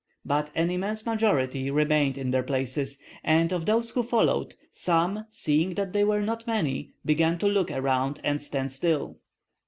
But an immense majority remained in their places; and of those who followed some, seeing that they were not many, began to look around and stand still.